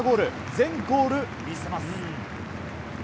全ゴール見せます。